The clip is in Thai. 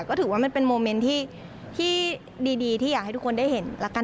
ก็ถือว่ามันเป็นโมเมนต์ที่ดีที่อยากให้ทุกคนได้เห็นแล้วกัน